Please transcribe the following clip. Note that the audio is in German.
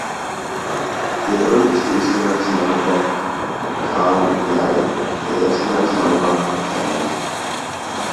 Der berühmteste ist der Nationalpark Khao Yai, der erste Nationalpark von Thailand.